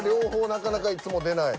なかなかいつも出ない。